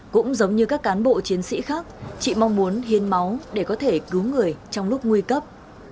cũng giống như các cán bộ chiến sĩ khác chị mong muốn hiến máu để có thể cứu người trong lúc nguy cấp